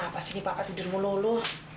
kenapa sini pakak tidur mulu mulu